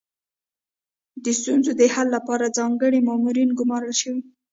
د ستونزو د حل لپاره ځانګړي مامورین ګمارل شوي.